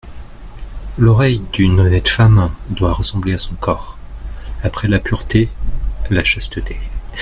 L'oreille d'une honnête femme doit ressembler à son corps ; après la pureté, la chasteté.